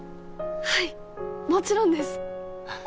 はいもちろんです。